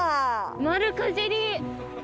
丸かじり。